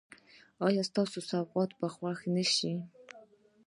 ایا ستاسو سوغات به خوښ نه شي؟